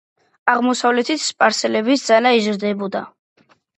აღმოსავლეთით სპარსელების ძალა იზრდებოდა.